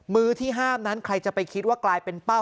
มือที่ห้ามนั้นใครจะไปคิดว่ากลายเป็นเป้า